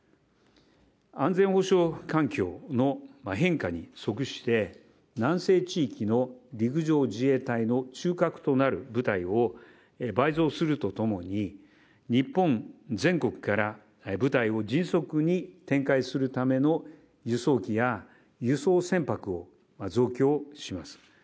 安全保障環境の変化に即して、南西地域の陸上自衛隊の中核となる部隊を倍増すると共に、日本全国から部隊を迅速に展開するための輸送機や輸送船舶を増強します。